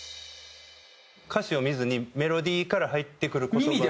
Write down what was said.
歌詞を見ずにメロディーから入ってくる言葉で。